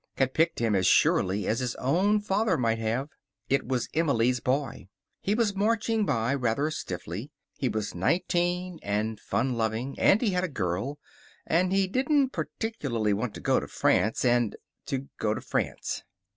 Had picked him as surely as his own father might have. It was Emily's boy. He was marching by, rather stiffly. He was nineteen, and fun loving, and he had a girl, and he didn't particularly want to go to France and to go to France.